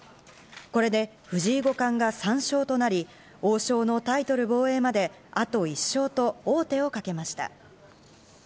これで藤井五冠が３勝となり、王将のタイトル防衛まであと１勝と王手をかけました。